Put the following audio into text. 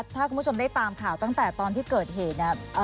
ถ้าคุณผู้ชมได้ตามข่าวตั้งแต่ตอนที่เกิดเหตุเนี่ย